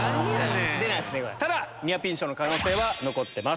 ただニアピン賞の可能性は残ってます。